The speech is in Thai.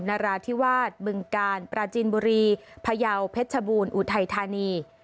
นราธิวาสบึงกาลปราจินบุรีพยาวเพชรชบูรณ์อุทัยธานี